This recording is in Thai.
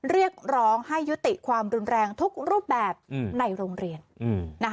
เรียกร้องให้ยุติความรุนแรงทุกรูปแบบในโรงเรียนนะคะ